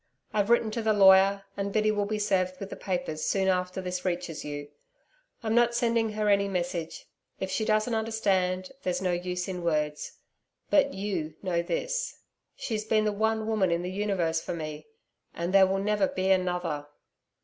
I've written to the lawyer, and Biddy will be served with the papers soon after this reaches you. I'm not sending her any message. If she doesn't understand, there's no use in words but YOU know this. She's been the one woman in the universe for me and there will never be another.